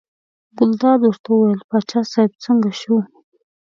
ګلداد ورته وویل باچا صاحب څنګه شو.